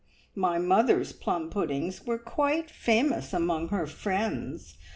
My mother's plum puddings were quite famous among her friends.